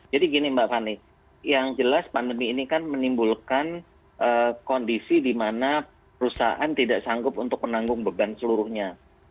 jadi gini mbak fani yang jelas pandemi ini kan menimbulkan kondisi di mana perusahaan tidak sanggup untuk menanggung beban seluruhnya